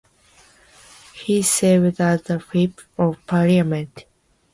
He served as the whip of parliament.